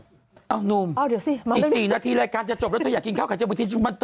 เอ้านุ่มอีก๔นาทีรายการจะจบแล้วถ้าอยากกินข้าวไข่เจียวเหมือนกัน